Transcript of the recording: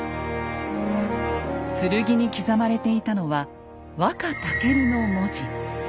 剣に刻まれていたのは「ワカタケル」の文字。